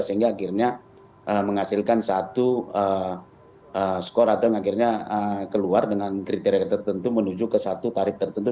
sehingga akhirnya menghasilkan satu skor atau yang akhirnya keluar dengan kriteria tertentu menuju ke satu tarif tertentu